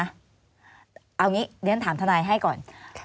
เอาอย่างนี้เรียนถามทนายให้ก่อน